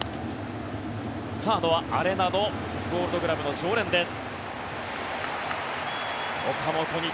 サードはアレナドゴールドグラブの常連です。